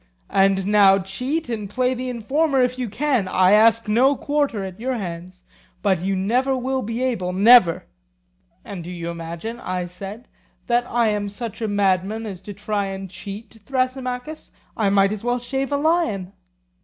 And now cheat and play the informer if you can; I ask no quarter at your hands. But you never will be able, never. And do you imagine, I said, that I am such a madman as to try and cheat, Thrasymachus? I might as well shave a lion.